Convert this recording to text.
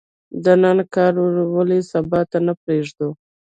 د نن کار ولې سبا ته نه پریږدو؟